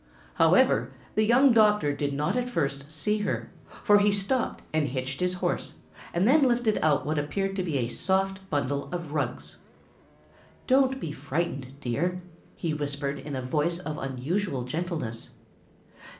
However, the young doctor did not at first see her, for he stopped and hitched his horse and then lifted out what appeared to be a soft bundle of rugs. "Don't be frightened, dear," he whispered in a voice of unusual gentleness.